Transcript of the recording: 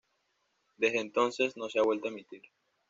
Desde entonces no se ha vuelto a emitir.